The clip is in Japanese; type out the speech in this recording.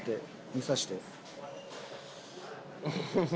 見させて。